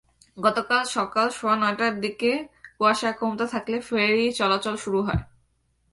গতকাল সকাল সোয়া নয়টার দিকে কুয়াশা কমতে থাকলে ফেরি চলাচল শুরু হয়।